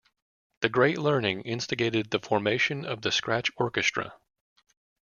"The Great Learning" instigated the formation of the Scratch Orchestra.